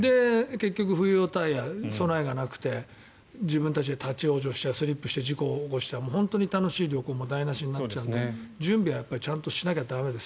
結局、冬用タイヤの備えがなくて自分たちで立ち往生したりスリップ事故を起こしたりすると本当に、楽しい旅行も台なしになっちゃうので準備はちゃんとしなきゃ駄目です。